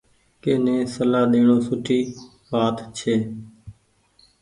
ڪني سلآ ڏيڻو سوٺي۔